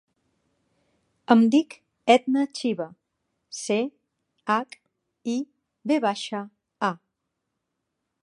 Em dic Edna Chiva: ce, hac, i, ve baixa, a.